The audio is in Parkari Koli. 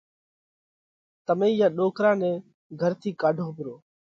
تمي اِيئا ڏوڪرا نئہ گھر ٿِي ڪاڍو پرو۔